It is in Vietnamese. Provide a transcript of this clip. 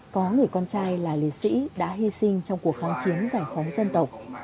có người con trai là liệt sĩ đã hy sinh trong cuộc kháng chiến giải phóng dân tộc